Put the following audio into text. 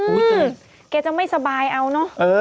อืมเกิดจะไม่สบายเอานี่